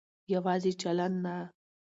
يواځې چلن نه